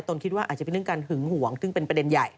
คิดว่าอาจจะเป็นเรื่องการหึงห่วงซึ่งเป็นประเด็นใหญ่